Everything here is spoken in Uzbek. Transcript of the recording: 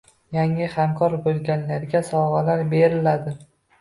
Yangi hamkor bo'lganlarga sovg'alar beriladi.